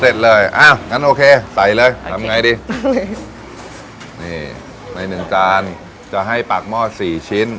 อ้าวงั้นโอเคใส่เลยทำไงดีนี่ในหนึ่งจานจะให้ปากหม้อสี่ชิ้น